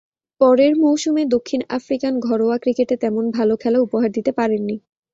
পরের মৌসুমে দক্ষিণ আফ্রিকান ঘরোয়া ক্রিকেটে তেমন ভালো খেলা উপহার দিতে পারেননি।